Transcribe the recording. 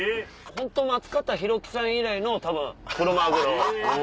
ホント松方弘樹さん以来のたぶんクロマグロ。